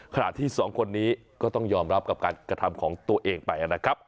ที่สองคนนี้ก็ต้องยอมรับกับการกระทำของตัวเองไปนะครับ